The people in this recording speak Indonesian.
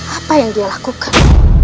apa yang dia lakukan